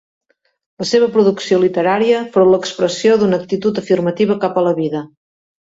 La seva producció literària fou l'expressió d'una actitud afirmativa cap a la vida.